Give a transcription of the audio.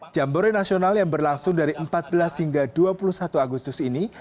jambore nasional yang berlangsung dari empat belas hingga dua puluh satu agustus ini